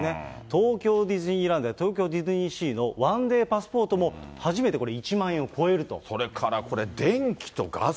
東京ディズニーランドや東京デスニーシーのワンデーパスポートもそれからこれ、電気とガス。